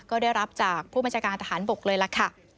ก็ได้รับจากผู้บัญชาการทหารบกเลยล่ะค่ะ